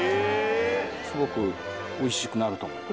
すごくおいしくなると思う。